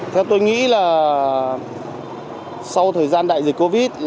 theo tôi nghĩ là sau thời gian đại dịch covid